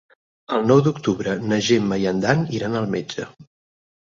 El nou d'octubre na Gemma i en Dan iran al metge.